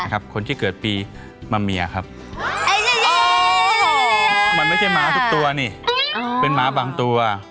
ก็มันเหมือนจะดีแล้วอ่ะ